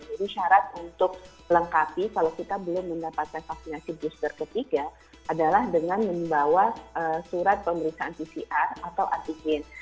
jadi syarat untuk lengkapi kalau kita belum mendapatkan vaksinasi booster ketiga adalah dengan membawa surat pemeriksaan pcr atau antigen